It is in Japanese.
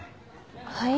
はい？